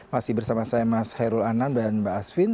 masih bersama saya mas herul anand dan mba asvin